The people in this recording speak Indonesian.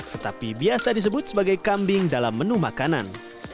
tetapi biasa disebut sebagai kambing dalam menu makanan